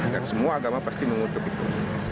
dan semua agama pasti mengutuk itu